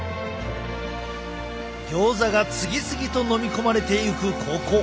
ギョーザが次々と飲み込まれていくここ。